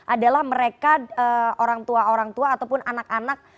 adalah mereka orang tua orang tua ataupun anak anak